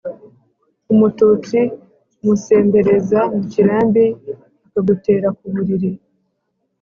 Umututsi umusembereza mu kirambi akagutera ku buriri.